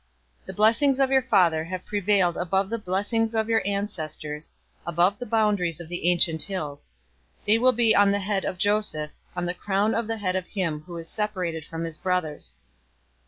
049:026 The blessings of your father have prevailed above the blessings of your ancestors, above the boundaries of the ancient hills. They will be on the head of Joseph, on the crown of the head of him who is separated from his brothers.